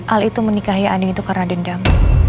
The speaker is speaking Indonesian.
al itu menikahi anin itu karena dendam